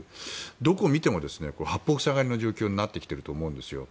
どこを見ても八方塞がりの状況になっていると思うんです。